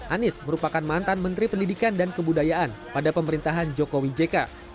anis merupakan mantan menteri pendidikan dan kebudayaan pada pemerintahan joko widjeka